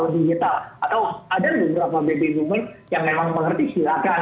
yang tidak mengerti atau apa